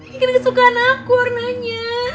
ini kan kesukaan aku warnanya